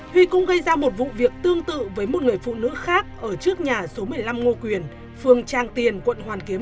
huy cũng gây ra một vụ việc tương tự với một người phụ nữ khác ở trước nhà số một mươi năm ngô quyền phường trang tiền quận hoàn kiếm